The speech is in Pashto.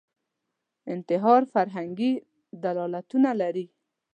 انتحار فرهنګي دلالتونه لري